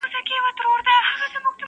مور بې حاله کيږي او پر ځمکه پرېوځي ناڅاپه،